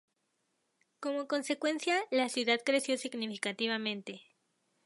Como consecuencia, la ciudad creció significativamente.